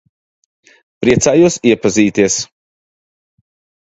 Priecājos iepazīties.